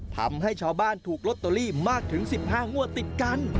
ทำให้ชาวบ้านถูกลอตเตอรี่มากถึง๑๕งวดติดกัน